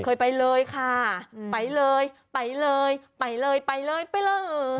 เคยไปเลยค่ะไปเลยไปเลยไปเลยไปเลยไปเลย